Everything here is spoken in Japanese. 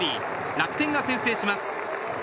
楽天が先制します。